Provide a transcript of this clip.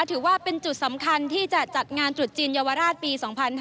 ถือว่าเป็นจุดสำคัญที่จะจัดงานตรุษจีนเยาวราชปี๒๕๕๙